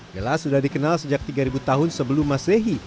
gelas sudah dikenal sejak tiga tahun sebelum masehi